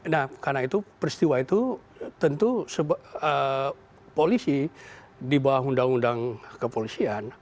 nah karena itu peristiwa itu tentu polisi di bawah undang undang kepolisian